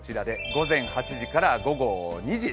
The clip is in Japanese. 午前８時から午後２時。